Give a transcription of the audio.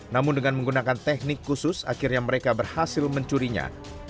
namun dengan menggunakan teknik khusus akhirnya mereka berhasil mencurinya